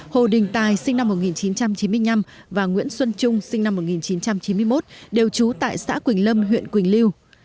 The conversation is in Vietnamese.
hồ đình tài sinh năm một nghìn chín trăm chín mươi năm và nguyễn xuân trung sinh năm một nghìn chín trăm chín mươi một đều trú tại xã quỳnh lâm huyện quỳnh lưu